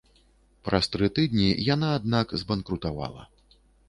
Праз тры тыдні яна, аднак, збанкрутавала.